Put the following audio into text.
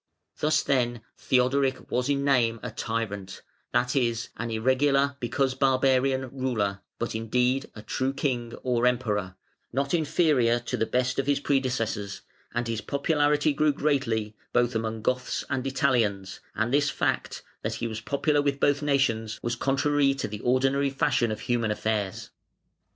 Thus then Theodoric was in name a tyrant (that is, an irregular, because barbarian, ruler), but in deed a true King (or Emperor), not inferior to the best of his predecessors, and his popularity grew greatly, both among Goths and Italians, and this fact (that he was popular with both nations) was contrary to the ordinary fashion of human affairs.